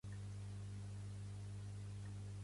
Bella se sent atreta per Edward?